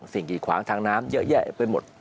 เสี่ยงกี่ขวางทางน้ำเยอะแยะไปหมด